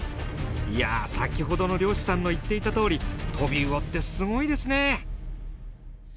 いや先ほどの漁師さんの言っていたとおりトビウオってすごいですね！